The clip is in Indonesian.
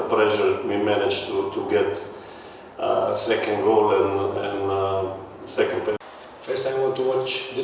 pertama saya ingin menonton pertandingan ini